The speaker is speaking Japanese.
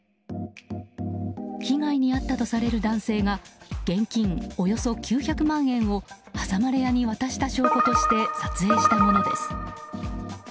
被害に遭ったとされる男性が現金およそ９００万円を挟まれ屋に渡した証拠として撮影したものです。